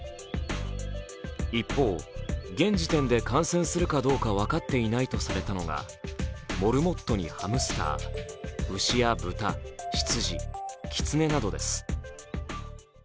一方、現時点で感染するかどうか分かっていないとされたのがモルモットにハムスター、牛や豚、羊、きつねなどです。